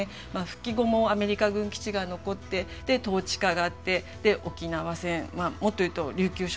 復帰後もアメリカ軍基地が残ってで統治下があってで沖縄戦もっと言うと琉球処分があって。